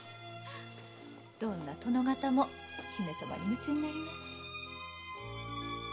どんな殿方も姫様に夢中になりますよ。